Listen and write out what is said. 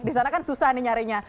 di sana kan susah nih nyarinya